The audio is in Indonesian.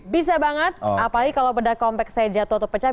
bisa banget apalagi kalau beda kompak saya jatuh atau pecah